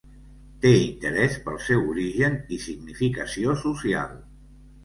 Té interès pel seu origen i significació social.